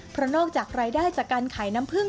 เพราะนอกจากรายได้จากการขายน้ำผึ้ง